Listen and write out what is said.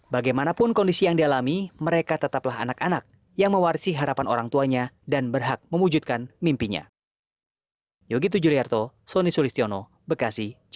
bagaimanapun kondisi yang dialami mereka tetaplah anak anak yang mewarisi harapan orang tuanya dan berhak mewujudkan mimpinya